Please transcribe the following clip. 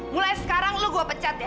mulai sekarang lo gue pecat ya